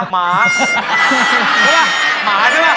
เขามักผี